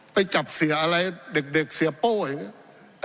ไปจับเสียอะไรเด็กเสียโป้อย่างนี้